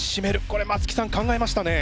これ松木さん考えましたね。